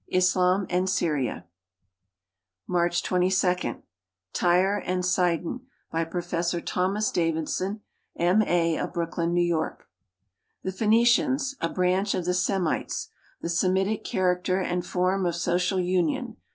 Islam and Syria. March 22. Tijre and Sidon, by Professor Tiiom.as Davidson , M. A., of Brooklyn, N. Y. The Phcenicians a branch of the Semites. The Semitic character and form of social union.